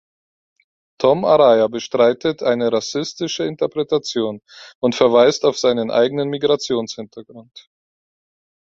Tom Araya bestreitet eine rassistische Interpretation und verweist auf seinen eigenen Migrationshintergrund.